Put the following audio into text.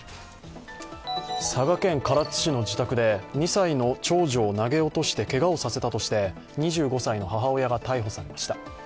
佐賀県唐津市の自宅で２歳の長女を投げ落としてけがをさせたとして２５歳の母親が逮捕されました。